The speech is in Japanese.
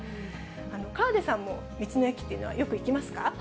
河出さんも、道の駅というのはよく行きますか？